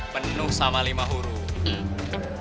penuh sama lima huruf